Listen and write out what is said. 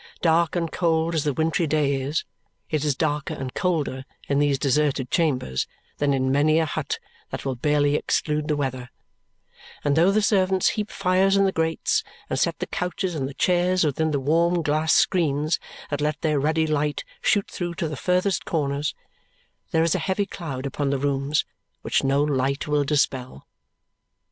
Dark and cold as the wintry day is, it is darker and colder in these deserted chambers than in many a hut that will barely exclude the weather; and though the servants heap fires in the grates and set the couches and the chairs within the warm glass screens that let their ruddy light shoot through to the furthest corners, there is a heavy cloud upon the rooms which no light will dispel.